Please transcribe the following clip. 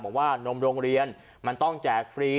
บอกว่านมโรงเรียนมันต้องแจกฟรี